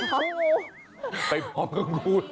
เอาออกไปเอางู